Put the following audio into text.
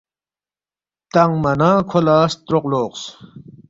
تنگما نہ کھو لہ ستروق لوقس